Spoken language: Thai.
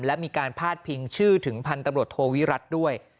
และมีการพาดพิงชื่อถึงพันธุ์ตำรวจโทวิรัติด้วย